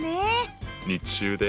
日中で。